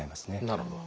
なるほど。